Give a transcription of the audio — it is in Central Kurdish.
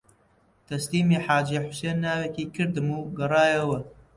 تەسلیمی حاجی حوسێن ناوێکی کردم و گەڕایەوە